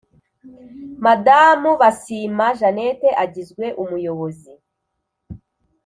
Madamu basiima janet agizwe umuyobozi